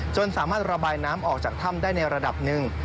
สามารถระบายน้ำออกจากถ้ำได้ในระดับหนึ่ง